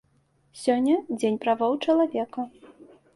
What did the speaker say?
Сёння дзень правоў чалавека.